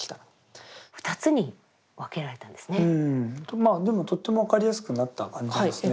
まあでもとっても分かりやすくなった感じですね。